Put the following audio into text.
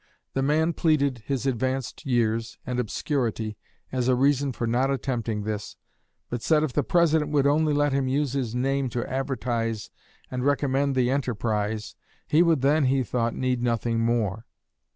The man pleaded his advanced years and obscurity as a reason for not attempting this, but said if the President would only let him use his name to advertise and recommend the enterprise, he would then, he thought, need nothing more.